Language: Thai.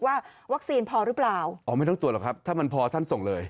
ว่าวัคซีนพอหรือเปล่าอ๋อไม่ต้องตรวจหรอกครับถ้ามันพอท่านส่งเลย